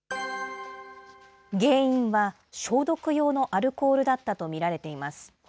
原因は消毒用のアルコールだったと見られています。